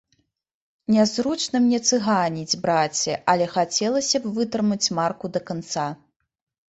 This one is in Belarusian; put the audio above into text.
Нязручна мне цыганіць, браце, але хацелася б вытрымаць марку да канца.